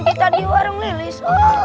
kita di warung lilis